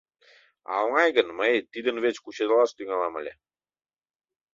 — А оҥай гын, мый тидын верч кучедалаш тӱҥалам ыле.